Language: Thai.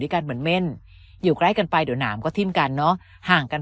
กันเหมือนเม่นอยู่ใกล้กันไปเดี๋ยวหนามก็ทิ้มกันเนอะห่างกัน